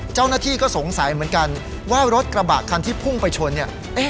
เจ้าหน้าที่ก็สงสัยเหมือนกันว่ารถกระบะคันที่พุ่งไปชนเนี่ย